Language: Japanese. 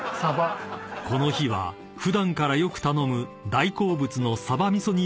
［この日は普段からよく頼む大好物のさば味噌煮